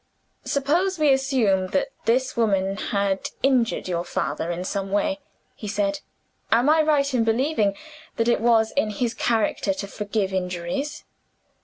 "Suppose we assume that this woman had injured your father in some way," he said. "Am I right in believing that it was in his character to forgive injuries?"